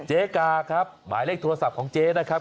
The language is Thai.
เจ๊กาครับหมายเลขโทรศัพท์ของเจ๊นะครับ